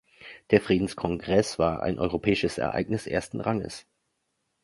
Der Friedenskongress war ein europäisches Ereignis ersten Ranges.